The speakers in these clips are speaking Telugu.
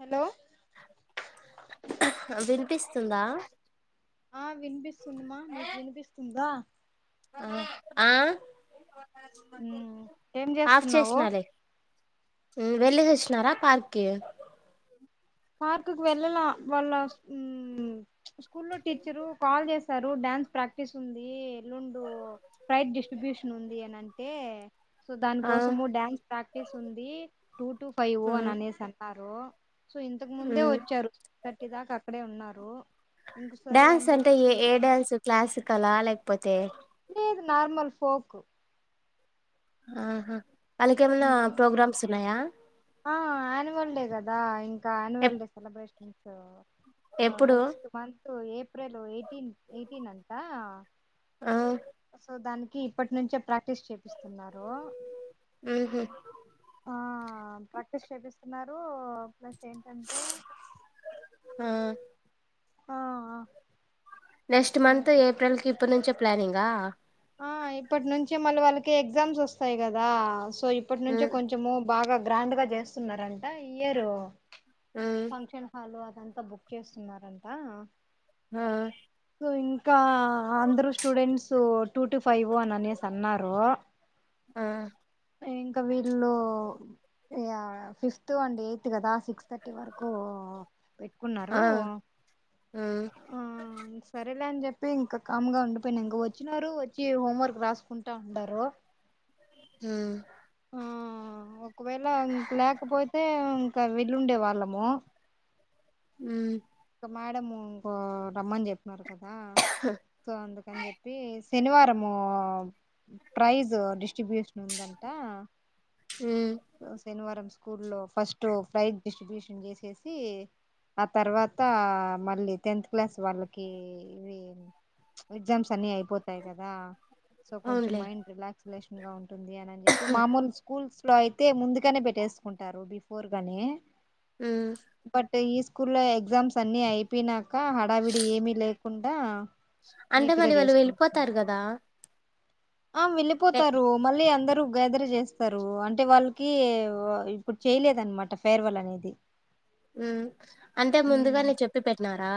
హలో వినిపిస్తుందా ఆ వినిపిస్త స్తుంది మా నీకు వినిపిస్తుదా ఆ ఆ మ్మ్ ఏం ఆఫ్ చేస్తున్నావు చేసినాలే వెళ్ళేసి వచ్చనారా పార్కి పార్కుకి వెళ్ళల వాళ్ళ ఉమ్ స్కూల్లో టీచరు కాల్ చేసారు డ్యాన్స్ ప్రాక్టీస్ ఉంది ండు ఫైడ్ డిస్ట్రిబ్యూషన్ ఉంది అన్నింటే సో దాని ఆ కోసము డ్యాన్స్ ప్రాక్టీస్ ఉంది టూ టు ఫైవ్ ఓ అని మ్మ్ అనేసి అన్నారు సో ఇంతకు ముందే మ్మ్ వచ్చారు ఒకట్టి దాకా అక్కడే ఉన్నారు తో డ్యాన్స్ అంటే ఏ ఏ డ్యాన్స్ క్లాసికలా లే పోతే. లేదు నార్మల్ ఫోక్. ఆహా. వాళ్ళకి ఏమైనా మ్మ్ ప్రోగ్రామ్స్ ఉన్నాయా. దా ఇం. క అనివల్ ఎప్ డే సెలబ్రేషన్. ఆ ఎప్పుడు నెక్స్ట్ మంత్ ఏప్రిల్ ఎయిటీన్ ఎయి. టీనంతా. ఆ సో దాని. ఇప్పటి నుంచే ప్రాక్టీస్ చేపిస్తున్నారు. ఆహ. ఆ ప్రాక్టీస్ చేపిస్తున్నారు ప్లస్. ఏంటంటే ఆ. ఆ ఆ. నెక్స్ట్ మంత్ ఏప్రిల్ కి ఇప్పుడు నుంచే. ప్లానింగా. ఆ ఇప్పటి నుంచి మళ్ళీ వాళ్ళకి ఎగ్జామ్స్ వస్తాయి కదా. సో ఇప్పటి నుంచే మ్మ్ కొంచెము బాగా. గ్రాండ్ గా చేస్తున్నారంట ఇయ్యరు. మ్మ్ ఫంక్షన్ హలో అంతా బుక్ చేస్తున్నారంట. ఆ. కోన్. ఇంకా అందరు స్టూడెంట్స్ టూ టు ఫైవ్ అని అనేసి అన్నారు. ఆ వీళ్ళు ఇగ ఫిఫ్త్ అండ్ ఎయిత్ కదా సిక్స్త్. కు పెట్టుకున్నారు ఆ మ్మ్ ఆ సరే. సరలే అని చెప్పి ఇంకా కామ్ గా ఉండిపోయినా ఇంక వచ్చినారు వచ్చి హోంవర్క్ రాసుకుంటా ఉంనారు. ఉమ్. ఆ ఒకవేళ ఇంక లేకపోతే ఇంకా వెళ్ళుండే వాళ్ళము. ఉ. ఇంకా మేడం ఇంకో రమ్మని చెప్పన్నారు. కదా సో అందుకని చెప్పి. శనివారంము ప్రైజ్ డిస్ట్రిబ్యూషన్ ఉందంట. మ్మ్ శనివారం. స్కూ లో ఫస్ట్ ప్రైజ్ డిస్ట్రిబ్యూషన్ చేసేసి ఆ తర్వాత. త మళ్ళీ టెన్త్ క్లాస్ వాళ్ళకి ఇవి ఎగ్జామ్స్ అన్ని అయిపో. పోతాయి కదా సో కొంచెం అవునులే మైండ్ రిలాక్స్. లేషన్ ఉంటంది ఉంది అని అని చెప్పి మామూలు స్కూల్స్ ఇ లో అయితే ముందుగానే పెట్టేసుకుంటారు బిఫోర్ గానే ఉమ్ బట్ ఈస్ స్కూ లో ఎ్జాస్ అన్నీ అయిపోయి నాకు కా హడావిడి ఏమిీ లే కుండా అంటే మళ్రి వాళ్ళు వెళ్ళిపోతారు కదా ఆ ఎ వెళ్ళిపోతారు మళ్ళీ అందరు గదర్ చేస్తారు అంటే వాళ్ళకి ఇప్పుడు చేయలేదనమాట ఫేర్వెల్ అనేది ఉ అంటే ముందుగా హ్మ్. నేను చెప్పి పెట్టిన ఆ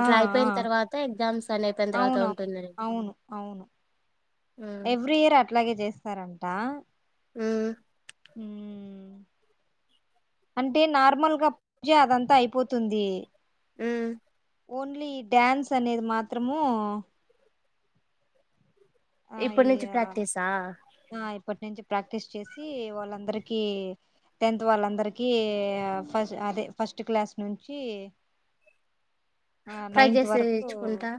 ఆ ఆ అయిపోయిన తర్వాత ఎగ్జామ్స్ అని అయిపోయిన తర్వాత అవునవును ఉంటుందని అవును అవును ఉమ్ ఎవ్రీ ఇయర్ అట్లాగే చేస్ సరంట మ్ మ్ అంటే నార్మల్గా జ అదంతా అయిపోతుంది మ్ ఓన్లీ డ్యాన్స్ అనేది మాత్రము ఆ ఇప్పుడు ఈ నుంచి ఆహ్, ప్రక్టీీస్ హా ఆ ఇప్పటి నుంచి ప్రాక్టీస్ చేసి వాళ్ళందరికీ టెన్త్ వాళ్ళందరికీ ఫ అదే ఫస్ట్ క్లాస్ నుంచి ఆహ్, ట్రై నైన్త్ వరకు చేసిచ్చుకుంటా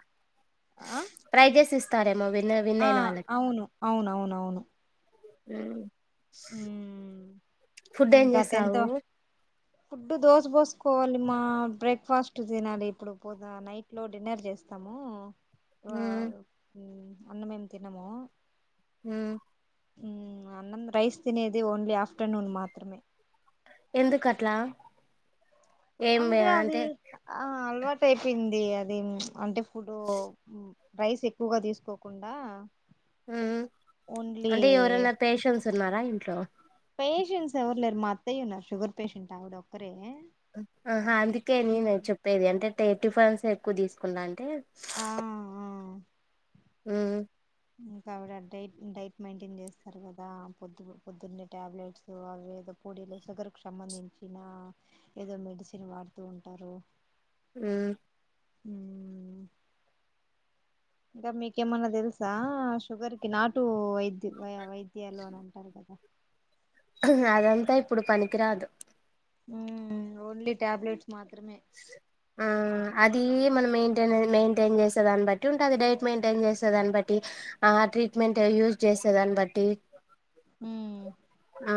ఆ ట్రై చేసిస్ విన్న ఆ విన్నైన వాళ్ళకి అవును అవునవునవును మ్ ఉమ్ ఫుడ్ ఏం ఇంకా టెన్త్ చేసావు ఫుడ్ దోస పోసుకోవాలి, మా బ్రేక్ఫాస్ట్ తినాలి ఇప్పుడు పోదా నైట్ లో డిన్నర్ చేస్తాము ఉమ్ వావ్ అన్న మేము తిన్నము మ్ ఉ అన్నంద రైస్ తినే ఇది ఓన్లీ హఫ్ ఫ్టేర్నూన్ మాత్రమే ఎందుకట్ల అంతే అది ఆ అల్వా అయిపోయింది అది అంటే ఫుడ్ రైస్ ఎక్కువగా తీసుకోకుండా ఉ ఓన్లీ అంటే ఇవరెన్నా పేషన్స్ ఉన్నారా ఇ ట్లో పేషెంట్స్ ఎవరు లేరు మా అత్తయ్య ఉన్నారు, షుగర్ పేషెంట్ ఆవిడ ఒక్కరే ఆహా అందుకే ఉ నేను చెప్పేది అంటే టిఫెన్స్ ఎక్కువ తీసుకుందా అంటే ఆ ఆ మ్ ఇంకా అవిడ అంటే డైట్, డైట్ మెయింటైన్ చేస్తారు కదా, పొద్దు పొద్దున్నే టాబ్లెట్స్ అవి ఏదో పొడిలు షుగర్ కు సంబంధించిన ఏదో మెడిసిన్ వాడుతూ ఉంటారు. మ్ ఇంకా మీకేమన్నా తెలుసా షుగర్ కి నాటు వైద్య వైద్య లోన్ అంటారు కదా అదంతా ఇప్పుడు పనికిరాదు హ్మ్ ఓన్లీ ట్యాబ్లేట్స్ మాత్రమే ఆ అది మనం మెయింటైన్ మెయింటైన్ చేసే దాన్ని బట్టి ఉంటది, డైట్ మెయింటైన్ చేసే దాన్ని బట్టి ఆ ట్రీట్మెంట్ యూజ్ చేసే దాన్ని బట్టి హ్మ్మ్ ఆ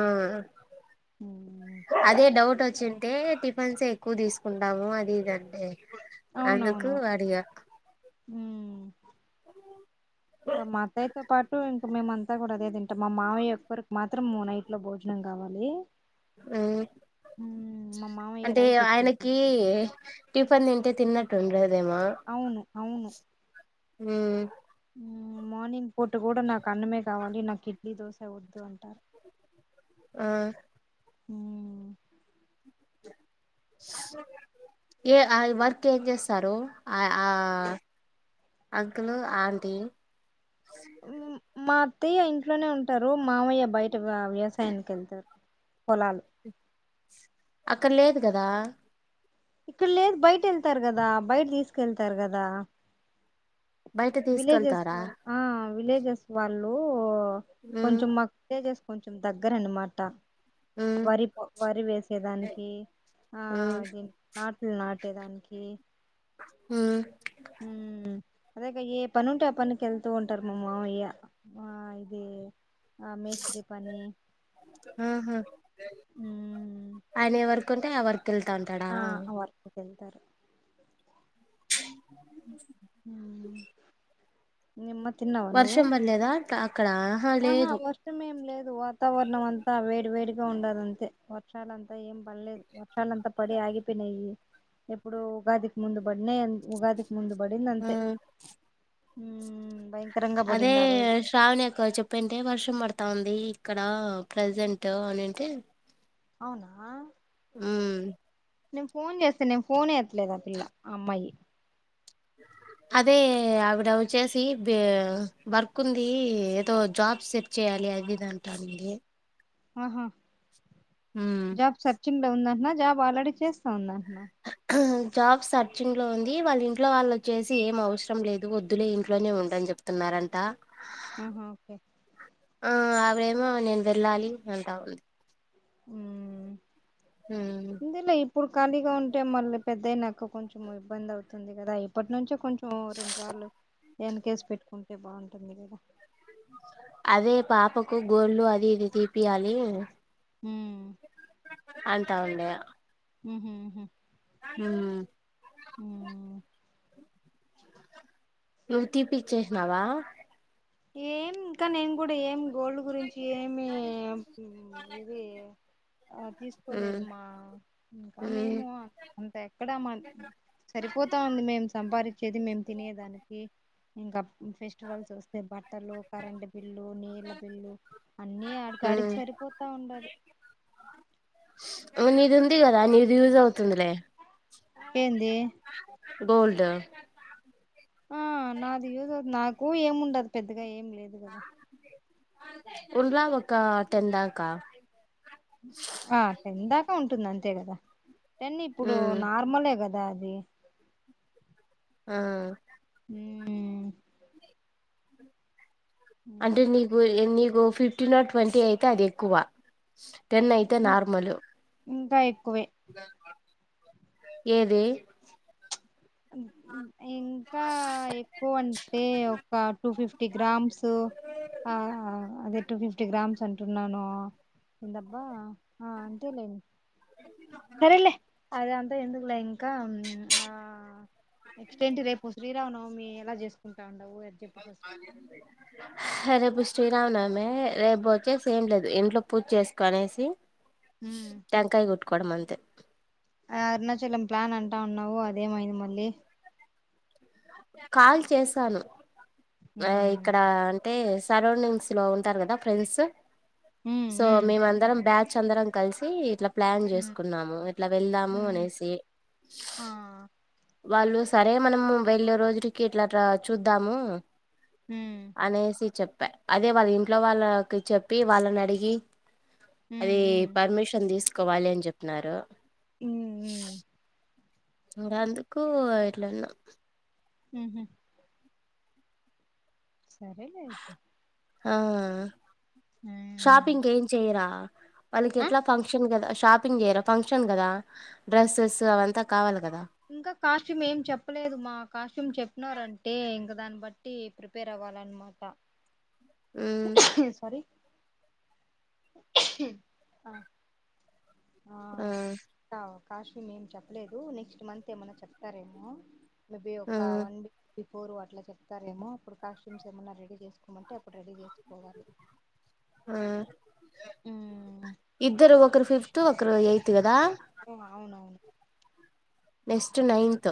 అదే డౌట్ వచ్చింటే టిఫిన్స్ ఎక్కువ తీసుకుంటాము అది ఇదండి అవున అవునువు అ మా అత్తయ్యతో పాటు ఇంకా మేమంతా కూడాదే తంట మా మావయ్య ఒక్కరికి మాత్రం మూ నైట్ లో భోజనం కావాలి హ్మ్మ్ మ్మ్. మా మామయ్య అంటే రైస్ ఎక్కువ ఆయనకి తీసుకుంటారు టిఫిన్ తింటే తిన్నట్టు ఏంలేదు అవును అవును హ్మ్మ్ మార్నింగ్ పూట కూడా నాకు అన్నమే కావాలి నాకు ఇడ్లీ దోశ వద్దు అంటారు ఆ హ్మ్మ్ ఏ ఆల్ వర్క్ ఏం చేస్తారు ఆ ఆ అంకుల్ ఆంటీ మా అత్తయ్య ఇంట్లోనే ఉంటారు మామయ్య బయట వ్యవసాయానికి వెళ్తారు పొలాలు ఇక్కడ లేదు కదా ఇక్కడ లేదు బయట వెళ్తారు కదా బయట తీసుకెళ్తారు కదా బయట విలేజెస్ తీసుకెళ్తారా వల్ విలేజెస్ వాళ్ళు మ్మ్ కొంచమక్ పెజెస్ కొంచెం దగ్గర అన్నమాట మ్మ్ వరి వరి వేసేదానికి ఆ మ్మ్ దీ నాట్లు నాటి పెట్టేదానికి ఉమ్ అదేగా ఏ పని ఉంటే ఆ పనినికి వెళ్తూ ఉంటారు మా మావయ్య ఆ ఇది ఆ మేశ్రి పని ఆహా ఉమ్ ఎవర్ కెళ్తంటాడ తరు [inaudible] హ్మ్ నిమ్మ తిన్నావా నువ్వు వర్షం పడలేదా అక్క అక్కడ ఆహా లేదు వర్షమే ఏం లేదు వాతావరణం అంతా వేడి వేడిగా ఉండదుంతే వర్షాలంతా ఏం పనిలేదు వ చాల అంతా పడి ఆగిపో నయి ఎప్పుడు ఉగాదికి ముందు పడినయి ఉగాదికి ముందు బడిందంతె మ్మ్ ఉమ్ బయ అదే శ్రావణి అక్క వ చెప్ ప్పింటే వర్షం పడతా ఉంది ఇక్కడ ప్రెజెంట్ అన్నింటే అవునా ఊ నేను ఫోన్ చేస్తే నేను ఫోనే ఎత్ లేదా పిల్ల అమ్మాయి అదే ఆవిడ వచ్చేసి బే వర్క్ ఉంది ఏదో జాబ్ సెట్ చేయ్యాలి అది ఇది అంటాంది ఆహా ఉమ్ జాబ్ సర్చింగ్ లో ఉందట్ న జాబ్ ఆల్రెడీ చేస్తా ఉందా [unintelligible] జాబ్ సర్చింగ్ లో ఉంది వాళ్ళ ఇంట్లో వాళ్ళు వచ్చేసి ఏం అవసరం లేదు వద్దులే ఇంట్లోనే ఉండని జెప్తున్నారంట ఉ హు ఓకే ప్రేమ నేను వెళ్ళాలి అంటా ఉంది ఊ ఊ ఇప్పుడు ఖాళీగా ఉంటే మళ్ళ పెద్దయినాకు కొంచెం ఇబ్బంది అవుతుంది గదా ఇప్పటి నుంచే కొంచెం ఓ రెండు సార్లు వెనకేసి పెట్టుకుంటే బాగుంటుంది మీరు గదా అదే పాపకు గోళ్ళు అది ఇది తీపియాలి ఊ అంతా ఉండే ఉ హు ఉహు ఊ ఊ నువ్వు తీపిచ్చేసినావా ఏం ఇంకా నేను గూడా ఏం గోల్డ్ గురించి ఏమి ఇది ఆ తీసుకోలేదు ఉమ్ మా ఇంకా ఉమ్ మేము అంత ఎక్కడా మా సరిపోతా ఉంది మేము సంపాదించేది మేము తినేదానికి ఇంకాప్ ఫెస్టివల్స్ వ ట్టలు కరెంటు బిల్లు నీళ్ళ బిల్లు అన్ని అడికాడికి సరిపోతా ఉండాది నీది ఉంది గదా నీది యూజ్ అవుద్ ఎంది గోల్డ్ ఆ నాదియూజ్ నాకు ఏమిండదు పెద్దగా ఏమి లేదు గదా ఉండ్ల ఒక టెన్ందాకా ఆ టెన్ దాక ఉంట్ అంతే కదా రండి ఇప్పుడు ఉమ్ నార్మలే కదా అదా అది ఆ ఉమ్ అంటే నీకు నీ ఫిఫ్టీన్ నాట్ ట్వంటీ అయితే అది ఎక్కువ టెన్ అయితే నార్మల్ ఇంకా ఎక్కువే ఏది ఇంకా ఎక్కువ అంటే ఒక టూ ఫిఫ్టీ గ్రామ్స్ ఆ అదే టూ ఫిఫ్టీ గ్రామ్స్ అంటున్నాను ఏందబ్బా ఆ అంతేలే సరేలే అదే అంత ఎందుకులే ఇంకా ఉమ్ ఆ నెక్స్ట్ ఏంటి రేపు శ్రీరామ్ నవమి ఎలా చేసుకుంటా ఉం సరే పుష్ శ్రీరామనవమే రేపు వచ్చేసి ఏం లేదు ఇంట్లో పూజ చేసుకునేసి ఉమ్ టెంకాయ్ కొట్ కోడం అంతే ఆ అరుణాచలం ప్లాన్ అంటా ఉన్నావు అదేమైంది మళ్ళీ కాల్ చేసాను ఆ ఉమ్ ఇక్కడ అన్ అయితే సరౌండింగ్స్ లో ఉంటారు కదా ఫ్రెండ్స్ ఉమ్ సో ఉమ్ మేమందరం బ్యాక్ చందరం కలిసి ఇట్లా ప్లాన్ ఉమ్ చేసుకున్నాము ఎట్లా వెళ్దాము ఉమ్ అనేసి ఆ వాళ్ళు సరే మనము వెళ్ళే రోజు ఇరికిల్లట్ల చూద్దాము ఉమ్ అనేసి చెప్ పే అదే వాళ్ళ ఇంట్లో వాళ్ళకి చెప్పి వాళ్ళని అడిగి ఉమ్ అది ఉమ్ పర్మిషన్ తీసు కోవాలి అని చెప్పినారు ఉమ్ ఉమ్ ఇంగ అందుకు ఇట్లాన్నా ఉహూ సరే లే అయితే ఆ షాపింగ్ ఏం చేయరా వాళ్ళకి ఆ ఎట్లా ఫంక్షన్ కదా షాపింగ్ చేయరా ఫంక్షన్ కదా డ్రెస్సెస్ అదంతా కావాలి క ఇంకా కాస్ట్యూమ్ ఏం చెప్పలేదు మా కాస్ట్యూమ్ చెప్పినారంటే ఇంకా దాన్ని బట్టి ప్రిపేర్ అవ్వాలన్న మాట ఉమ్ సారీ ఆ [unintelligible] ఆ ఓ కాశీ మేం చెప్పలేదు నెక్స్ట్ మంత్ ఏమన్నా చెప్తారేమో మబ ఆ ఒకవండి [unintelligible] పోరు అట్లా చెపత రేమో అప్పుడు కాస్ట్యూమ్స్ ఏమన్నా రెడీ చేసుకోమంటే అప్పుడు రెడీ చేసుకో హ ఉమ్. ఇద్దరు ఒకరు ఫిఫ్టీ టు ఒకరు ఎయితు కదా దా అవునవును నెక్స్ట్ నైన్త్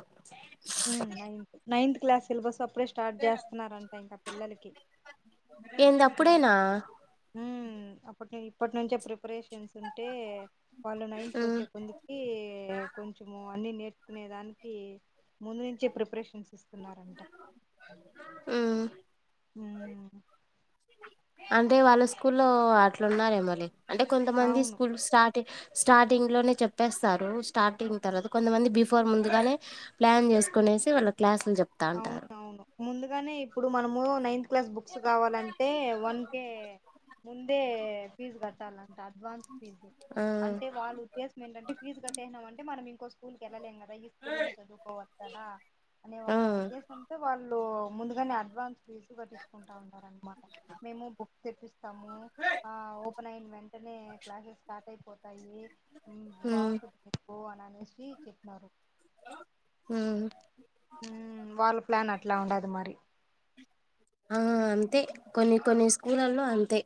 హ్మ్మ్ నైన్త్ నైన్త్ క్లాస్ సిలబస్ ఇప్పుడుే స్టార్ట్ చేస్తున్నారంట ఇంకా పిల్లలకి ఏంది అప్పుడేనా హ్మ్మ్ అప్పటి ఇప్పటి నుంచే ప్రిపరేషన్స్ ఉంటే వాళ్ళు నైన్త్ క ఉమ్ వచ్చే కొందుకి కొంచము అన్ని నేర్ుకునే దానికి ముందు నుంచే ప్రిపరేషన్స్ స్తున్నారంట ఉమ్ ఉ అంటే వాళ్ళ స్కూల్లో అట్లున్నారు ఏమోలే అంటే కొంతమంది అవును స్కూల్ స్టార్ట్ స్టార్టింగ్ లోనే చెప్పేస్తారు స్టార్టింగ్ తర్వాత కొంతమంది బిఫోర్ ముందుగానే ప్లాన్ చేసుకునేసి వాళ్ళు క్లాసులు చెారు అవును అవును ముందుగానే ఇప్పుడు మనము నైన్త్ క్లాస్ బుక్స్ కావాలంటే వన్ కే ముందే ఫీజ గట్టల అ అడ్వాన్స్ ఫీజు ఆ అంటే వాళ్ళు ఉద్దేశం ఏంటంటే ఫీజు కట్టేసినాం అంటే మనం ఇంకో స్కూల్ క వెళ్ళలేం కదా ఈ స్కూల్లోనే చదువుకోవచ్చదా అనే ఆ ఉద్దేశంతో వాళ్ళు ముందుగానే అడ్వాన్స్ ఫీజుగాట్టించుకుంటా ఉంటారనమాట మేము బుక్ తేప్ సము ఆ ఓ ఓపెన్ అయిన వెంటనే క్లాసెస్ స్టార్ట్ అయిపోతాయి ఉమ్ బాగుంటుది పో అన్నాలి [unintelligible] చెపనారు ఉ ఉమ్, వాళ్ళ ప్లాన్ అట్లా ఉండదు మరి ఆ అంతే కొన్ని కొన్ని స్కూలలో అంతే